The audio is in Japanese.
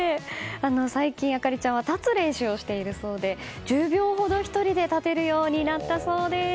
最近、朱里ちゃんは立つ練習をしているそうで１０秒ほど１人で立てるようになったそうです。